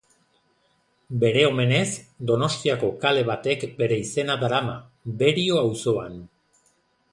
Bere omenez, Donostiako kale batek bere izena darama, Berio auzoan.